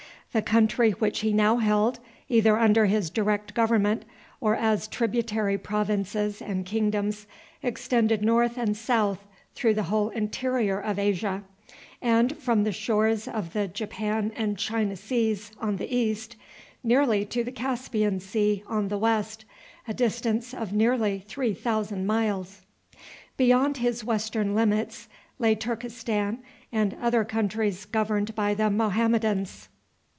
The country which he now held, either under his direct government, or as tributary provinces and kingdoms, extended north and south through the whole interior of Asia, and from the shores of the Japan and China Seas on the east, nearly to the Caspian Sea on the west, a distance of nearly three thousand miles. Beyond his western limits lay Turkestan and other countries governed by the Mohammedans.